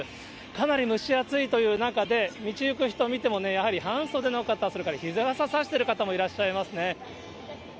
かなり蒸し暑いという中で、道行く人見てもね、やはり半袖の方、それから日傘差してる方もいらっしゃいますね。